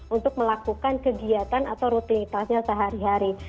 untuk melakukan kegiatan atau rutinitasnya sehari hari